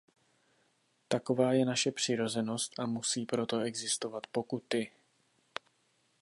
Taková je naše přirozenost, a musí proto existovat pokuty.